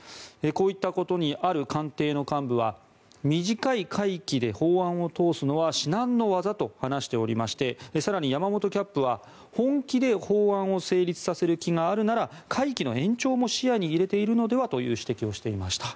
こういったことにある官邸の幹部は短い会期で法案を通すのは至難の業と話していまして更に山本キャップは本気で法案を成立させる気があるなら会期の延長も視野に入れているのではという指摘をしていました。